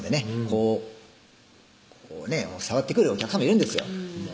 こうこうね触ってくるお客さまもいるんです